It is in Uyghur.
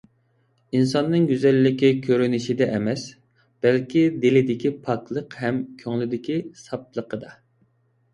ئىنساننىڭ گۈزەللىكى كۆرۈنۈشىدە ئەمەس، بەلكى دىلىدىكى پاكلىق ھەم كۆڭلىدىكى ساپلىقىدا.